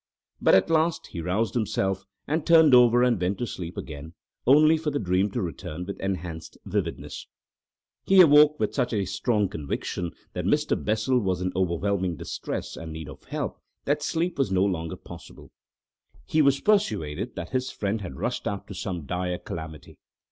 But at last he roused himself, and turned over and went to sleep again, only for the dream to return with enhanced vividness. He awoke with such a strong conviction that Mr. Bessel was in overwhelming distress and need of help that sleep was no longer possible. He was persuaded that his friend had rushed out to some dire calamity.